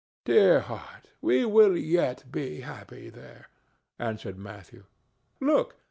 "Dear heart, we will yet be happy there," answered Matthew. "Look!